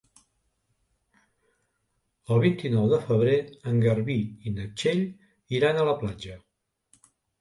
El vint-i-nou de febrer en Garbí i na Txell iran a la platja.